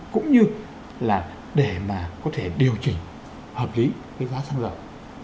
cũng như là để mà có thể điều chỉnh hợp lý cái giá xăng dầu